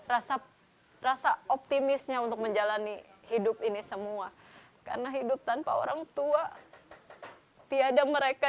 rasa rasa optimisnya untuk menjalani hidup ini semua karena hidup tanpa orang tua tiada mereka